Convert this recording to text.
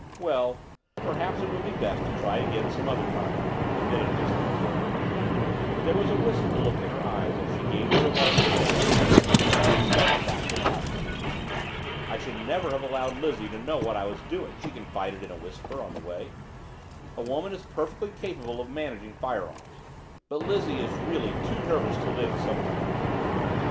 "Well, perhaps it would be best to try again another time," admitted Miss Van Gorder. But there was a wistful look in her eyes as she gave the revolver to Dale and the three started back to the house. "I should never have allowed Lizzie to know what I was doing," she confided in a whisper, on the way. "A woman is perfectly capable of managing firearms but Lizzie is really too nervous to live, sometimes."